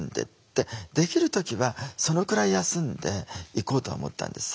できる時はそのくらい休んでいこうとは思ったんです。